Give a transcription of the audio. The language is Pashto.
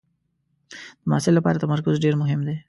د محصل لپاره تمرکز ډېر مهم دی.